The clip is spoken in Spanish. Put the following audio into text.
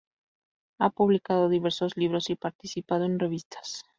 Ha publicado diversos libros y participado en revistas.